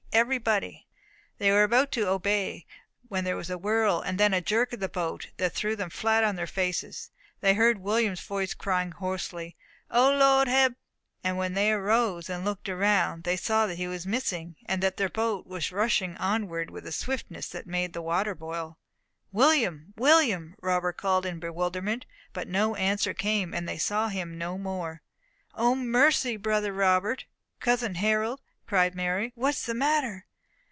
ebery body!" They were about to obey, when there was a whirl, and then a jerk of the boat, that threw them flat on their faces. They heard William's voice crying hoarsely, "O Lord hab ;" and when they arose and looked around, they saw that he was missing, and that their boat was rushing onward with a swiftness that made the water boil. "William! William!" Robert called in bewilderment; but no answer came, and they saw him no more. "O mercy! Brother Robert! cousin Harold!" cried Mary, "what is the matter?"